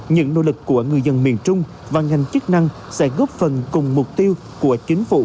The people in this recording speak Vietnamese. những nỗ lực của người dân miền trung và ngành chức năng sẽ góp phần cùng mục tiêu của chính phủ